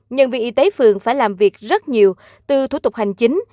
nhân viên y tế phường phải làm việc rất nhiều từ thủ tục hành chính